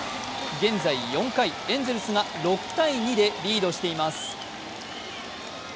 現在４回、エンゼルスが６−２でリードしています。